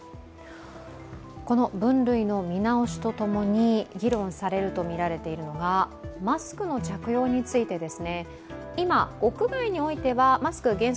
この分類の見直しとともに議論されるとみられているのがマスクの着用についてです。